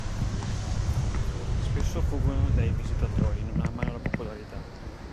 Spesso fuggono dai visitatori “non amano la popolarità”.